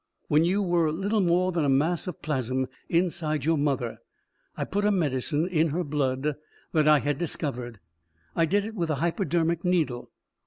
When you were little more than a mass of plasm inside your mother, I put a medicine in her blood that I had discovered. I did it with a hypodermic needle.